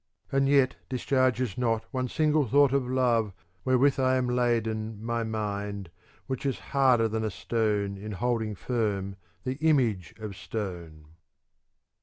And yet discharges not one single thought of love wherewith I am laden my mind/ which is harder than a stone in holding firm the image of stone.